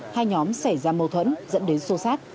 hai nhóm xảy ra mâu thuẫn dẫn đến xô xát